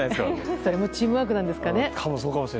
それもチームワークなんですかね。